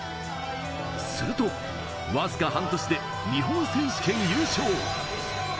すると、わずか半年で日本選手権優勝。